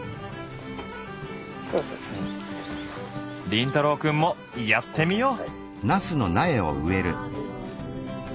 凛太郎くんもやってみよう！